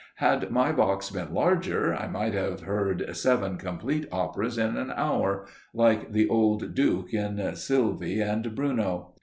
Had my box been larger I might have heard seven complete operas in an hour, like the old Duke in "Sylvie and Bruno!"